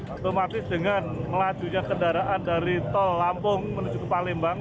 otomatis dengan melajunya kendaraan dari tol lampung menuju ke palembang